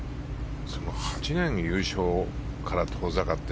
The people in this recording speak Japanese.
８年も優勝から遠ざかって